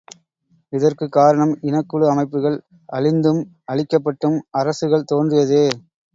இதற்குக் காரணம் இனக்குழு அமைப்புகள், அழிந்தும், அழிக்கப்பட்டும் அரசுகள் தோன்றியதே.